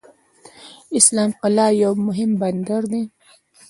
اسلام قلعه یو مهم بندر دی.